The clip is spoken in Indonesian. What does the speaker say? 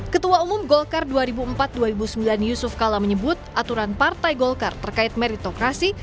ketua umum golkar dua ribu empat dua ribu sembilan yusuf kala menyebut aturan partai golkar terkait meritokrasi